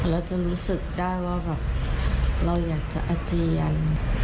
เราจะรู้สึกได้ว่าแบบเราอยากจะอาเจียน